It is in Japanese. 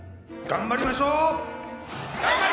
頑張りましょう！